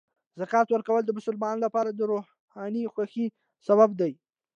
زکات ورکول د مسلمانانو لپاره د روحاني خوښۍ سبب دی.